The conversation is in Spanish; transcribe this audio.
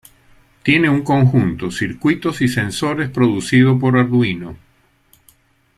Tiene un conjunto circuitos y sensores producido por Arduino.